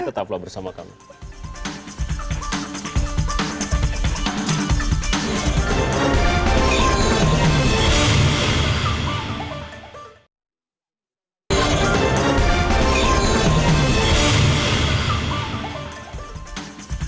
tetaplah bersama kami